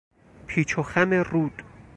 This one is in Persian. پیچ و خم رود